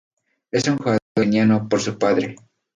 Es un jugador keniano por su padre.